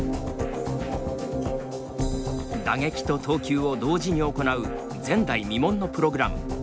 打撃と投球を同時に行う前代未聞のプログラム。